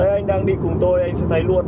anh đang đi cùng tôi anh sẽ thấy luôn